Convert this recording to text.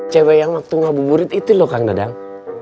cewek yang waktu ngabuburit itu loh kang dadang